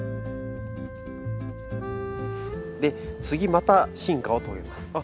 で次また進化を遂げます。